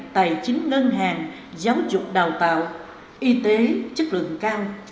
tài chính ngân hàng giáo dục đào tạo y tế chất lượng cao